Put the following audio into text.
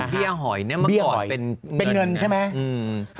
บี้ย่าหอยนี่เมื่อก่อนเป็นเงินใช่ไหมคะอือนะครับ